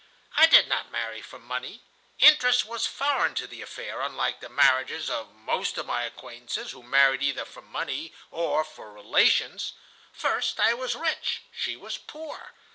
I did not marry for money. Interest was foreign to the affair, unlike the marriages of most of my acquaintances, who married either for money or for relations. First, I was rich, she was poor.